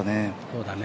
そうだね。